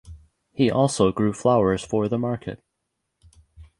He also grew flowers for the market.